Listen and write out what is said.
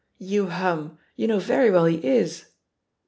"You hum! You know very well he is."